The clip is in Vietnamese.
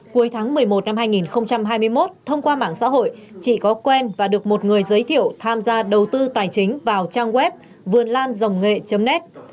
cuối tháng một mươi một năm hai nghìn hai mươi một thông qua mảng xã hội chị có quen và được một người giới thiệu tham gia đầu tư tài chính vào trang web vườnlan ngh net